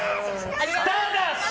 ただし！